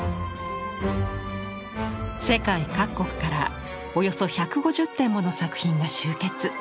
世界各国からおよそ１５０点もの作品が集結。